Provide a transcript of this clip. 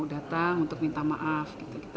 kalau mau datang untuk minta maaf